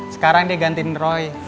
sekarang dia gantin roy